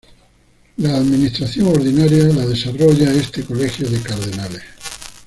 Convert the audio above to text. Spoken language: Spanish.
La administración ordinaria es desarrollada por este colegio de cardenales.